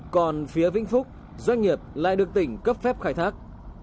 còn phía vĩnh phúc doanh nghiệp lại được tỉnh cấp phép khai thác